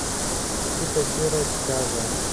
سپي ته سیوري پکار دی.